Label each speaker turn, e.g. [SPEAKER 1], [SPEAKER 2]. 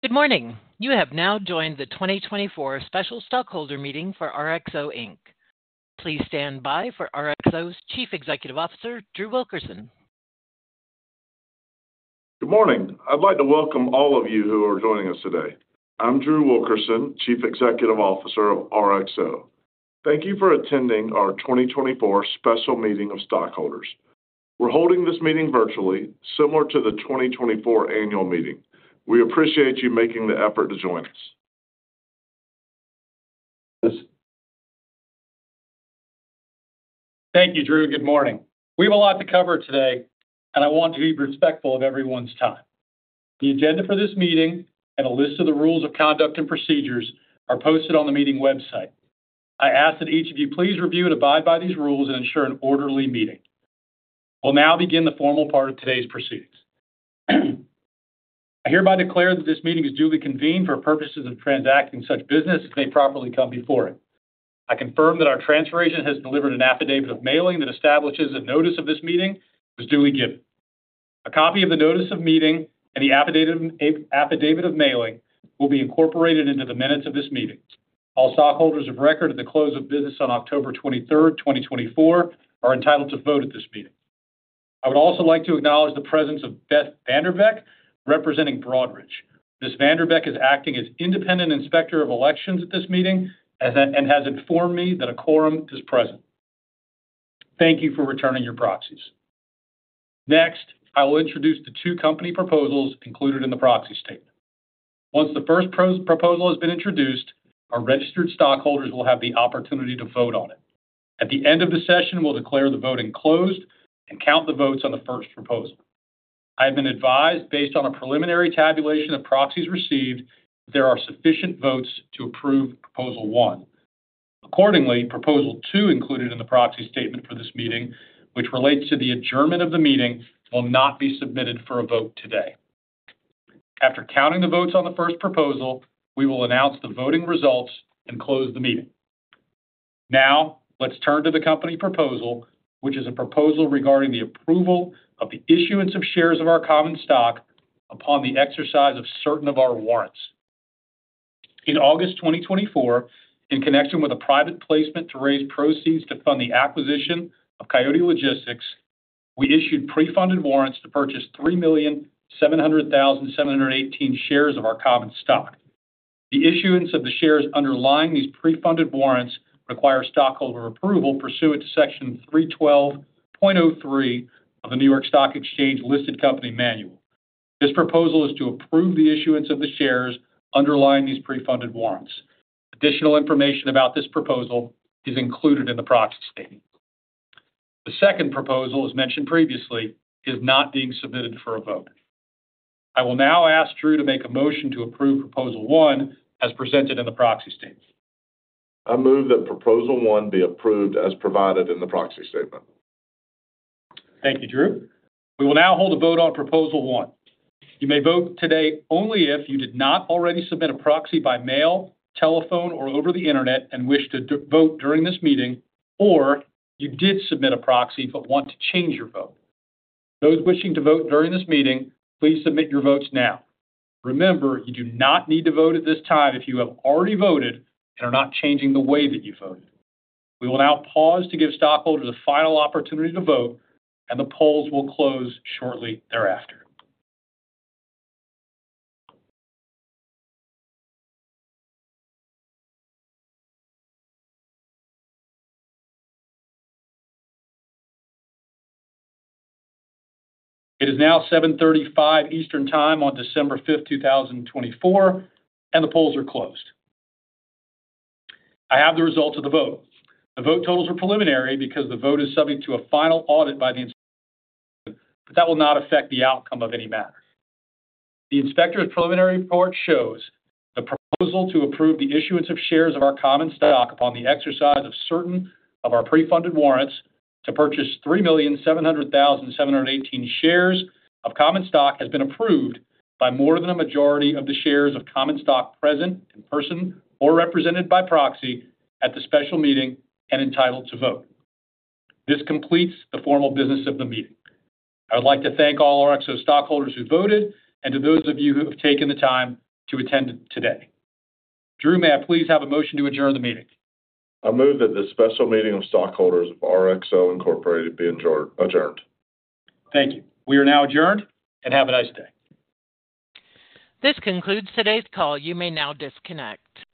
[SPEAKER 1] Good morning. You have now joined the 2024 Special Stockholder Meeting for RXO, Inc. Please stand by for RXO's Chief Executive Officer, Drew Wilkerson.
[SPEAKER 2] Good morning. I'd like to welcome all of you who are joining us today. I'm Drew Wilkerson, Chief Executive Officer of RXO. Thank you for attending our 2024 Special Meeting of Stockholders. We're holding this meeting virtually, similar to the 2024 annual meeting. We appreciate you making the effort to join us. Thank you, Drew. Good morning. We have a lot to cover today, and I want to be respectful of everyone's time. The agenda for this meeting and a list of the rules of conduct and procedures are posted on the meeting website. I ask that each of you please review and abide by these rules and ensure an orderly meeting. We'll now begin the formal part of today's proceedings. I hereby declare that this meeting is duly convened for purposes of transacting such business as may properly come before it. I confirm that our transfer agent has delivered an affidavit of mailing that establishes that notice of this meeting was duly given. A copy of the notice of meeting and the affidavit of mailing will be incorporated into the minutes of this meeting. All stockholders of record at the close of business on October 23, 2024, are entitled to vote at this meeting. I would also like to acknowledge the presence of Beth Vanderbeck representing Broadridge. Ms. Vanderbeck is acting as the independent inspector of elections at this meeting and has informed me that a quorum is present. Thank you for returning your proxies. Next, I will introduce the two company proposals included in the proxy statement. Once the first proposal has been introduced, our registered stockholders will have the opportunity to vote on it. At the end of the session, we'll declare the voting closed and count the votes on the first proposal. I have been advised, based on a preliminary tabulation of proxies received, that there are sufficient votes to approve proposal one. Accordingly, Proposal Two included in the Proxy Statement for this meeting, which relates to the adjournment of the meeting, will not be submitted for a vote today. After counting the votes on the First Proposal, we will announce the voting results and close the meeting. Now, let's turn to the company proposal, which is a proposal regarding the approval of the issuance of shares of our common stock upon the exercise of certain of our warrants. In August 2024, in connection with a private placement to raise proceeds to fund the acquisition of Coyote Logistics, we issued pre-funded warrants to purchase 3,700,718 shares of our common stock. The issuance of the shares underlying these pre-funded warrants requires stockholder approval pursuant to Section 312.03 of the New York Stock Exchange Listed Company Manual. This proposal is to approve the issuance of the shares underlying these pre-funded warrants. Additional information about this proposal is included in the proxy statement. The second proposal, as mentioned previously, is not being submitted for a vote. I will now ask Drew to make a motion to approve proposal one as presented in the proxy statement. I move that proposal one be approved as provided in the Proxy Statement. Thank you, Drew. We will now hold a vote on Proposal One. You may vote today only if you did not already submit a proxy by mail, telephone, or over the internet and wish to vote during this meeting, or you did submit a proxy but want to change your vote. Those wishing to vote during this meeting, please submit your votes now. Remember, you do not need to vote at this time if you have already voted and are not changing the way that you voted. We will now pause to give stockholders a final opportunity to vote, and the polls will close shortly thereafter. It is now 7:35 Eastern Time on December 5, 2024, and the polls are closed. I have the results of the vote. The vote totals are preliminary because the vote is subject to a final audit by the inspector, but that will not affect the outcome of any matter. The inspector's preliminary report shows the proposal to approve the issuance of shares of our common stock upon the exercise of certain of our pre-funded warrants to purchase 3,700,718 shares of common stock has been approved by more than a majority of the shares of common stock present in person or represented by proxy at the special meeting and entitled to vote. This completes the formal business of the meeting. I would like to thank all RXO stockholders who voted and to those of you who have taken the time to attend today. Drew, may I please have a motion to adjourn the meeting? I move that the special meeting of stockholders of RXO Incorporated be adjourned. Thank you. We are now adjourned and have a nice day.
[SPEAKER 1] This concludes today's call. You may now disconnect.